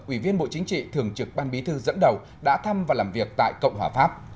ủy viên bộ chính trị thường trực ban bí thư dẫn đầu đã thăm và làm việc tại cộng hòa pháp